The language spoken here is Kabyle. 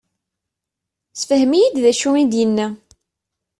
Sefhem-iyi-d d acu i d-inna.